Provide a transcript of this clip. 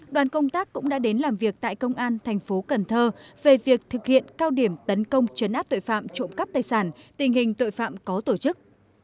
đoàn công tác cũng đã đến làm việc tại công an thành phố cần thơ về việc thực hiện cao điểm tấn công chấn áp tội phạm trộm cắp tài sản tình hình tội phạm có tổ chức